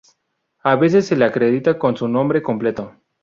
A veces se le acredita con su nombre completo.